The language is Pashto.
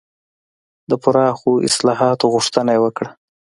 د پراخو اصلاحاتو غوښتنه یې وکړه.